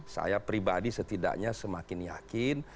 saya pribadi setidaknya semakin yakin